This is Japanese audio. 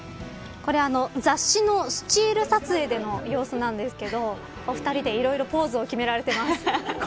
これ、雑誌のスチール撮影での様子なんですけどお二人でいろいろポーズを決められています。